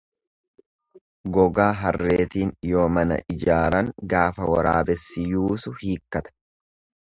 Gogaa harreetiin yoo mana ijaaran gaafa waraabessi yuusu hiikkata.